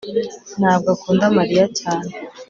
ntabwo akunda mariya cyane